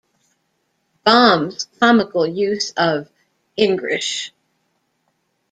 Bomb's comical use of Engrish.